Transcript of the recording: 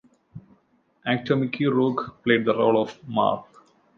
Actor Mickey Rourke played the role of Marv.